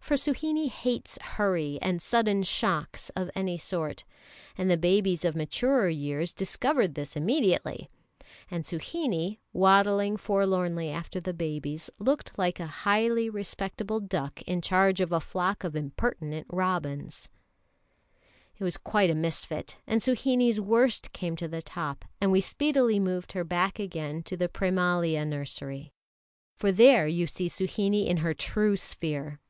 For Suhinie hates hurry and sudden shocks of any sort, and the babies of maturer years discovered this immediately; and Suhinie, waddling forlornly after the babies, looked like a highly respectable duck in charge of a flock of impertinent robins. [Illustration: THREE CONVERT WORKERS.] It was quite a misfit, and Suhinie's worst came to the top, and we speedily moved her back again to the Prémalia nursery. For there you see Suhinie in her true sphere.